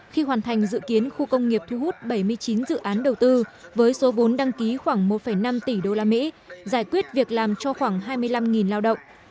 khi hoàn thành dự kiến khu công nghiệp thu hút bảy mươi chín dự án đầu tư với số vốn đăng ký khoảng một năm tỷ usd giải quyết việc làm cho khoảng hai mươi năm lao động